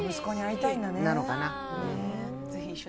なのかな。